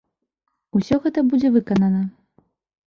Усё гэта будзе выканана.